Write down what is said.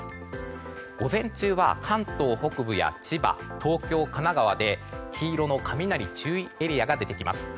午前中は関東北部や千葉、東京、神奈川で黄色の雷注意エリアが出てきます。